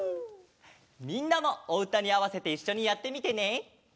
みんなもおうたにあわせていっしょにやってみてね。